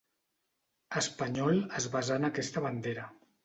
Espanyol es basà en aquesta bandera.